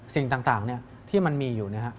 สิ่งต่างที่มันมีอยู่